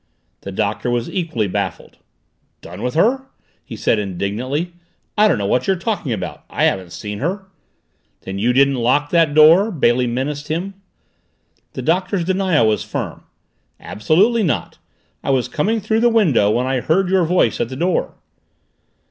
The Doctor was equally baffled. "Done with her?" he said indignantly. "I don't know what you're talking about, I haven't seen her!" "Then you didn't lock that door?" Bailey menaced him. The Doctor's denial was firm. "Absolutely not. I was coming through the window when I heard your voice at the door!"